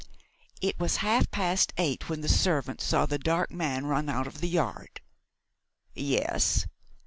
"It was half past eight when the servant saw the dark man run out of the yard?" "Yes!"